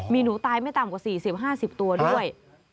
มีหนูตายไม่ต่ำกว่า๔๐๕๐ตัวด้วย